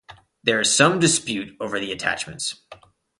There is some dispute over the attachments.